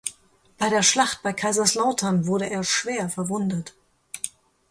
Bei der Schlacht bei Kaiserslautern wurde er schwer verwundet.